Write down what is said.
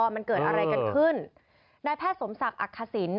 มันเกิดอะไรกันขึ้นนายแพทย์สมศักดิ์อักษิณ